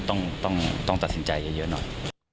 ต้องตัดสินใจเยอะหน่อย